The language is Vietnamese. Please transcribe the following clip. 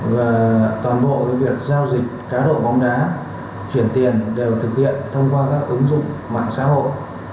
và toàn bộ việc giao dịch cá độ bóng đá chuyển tiền đều thực hiện thông qua các ứng dụng mạng xã hội